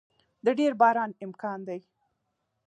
د ډیر باران امکانات دی